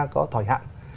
có thời hạn